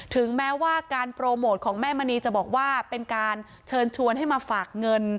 ถึงแม้ว่าการโปรโมทของแม่มณีจะบอกว่าเป็นการเชิญชวนให้มาฝากเงิน